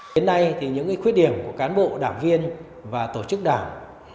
đến nay thì những khuyết điểm của cán bộ đảng viên và tổ chức đảng